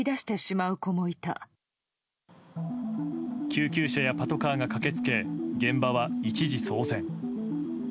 救急車やパトカーが駆け付け現場は一時騒然。